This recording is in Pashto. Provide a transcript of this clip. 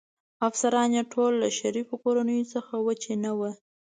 افسران يې ټول له شریفو کورنیو څخه ول، چې نه و.